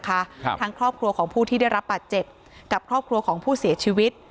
ทางครอบครัวของผู้ที่ได้รับบาดเจ็บกับครอบครัวของผู้เสียชีวิต